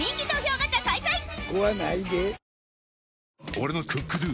俺の「ＣｏｏｋＤｏ」！